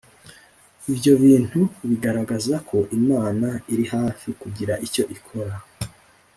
Ibyo bintu bigaragaza ko Imana iri hafi kugira icyo ikora